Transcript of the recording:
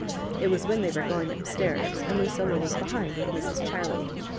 It was when they were going up stairs and Lucilla was behind with Mrs. Chiley.